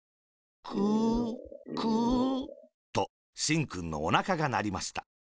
「クー、クー。」と、しんくんのおなかがなりました。